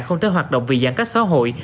không thể hoạt động vì giãn cách xã hội